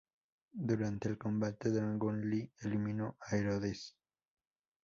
Durante el combate, Dragon Lee eliminó a Herodes Jr.